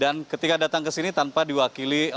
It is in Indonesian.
dan ketika datang ke sini tanpa diwakili